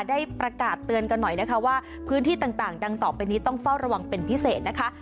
ได้ประกาศเตือนกันหน่อยนะคะว่าพื้นที่ต่างดังต่อไปนี้ต้องเฝ้าระวังเป็นพิเศษนะคะ